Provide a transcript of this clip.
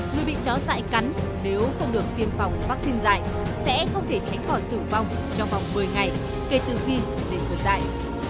người bị chó dại cắn nếu không được tiêm phòng vaccine dạy sẽ không thể tránh khỏi tử vong trong vòng một mươi ngày kể từ khi đến tuổi dạy